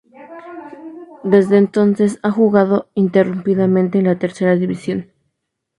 Desde entonces, ha jugado ininterrumpidamente en Tercera División.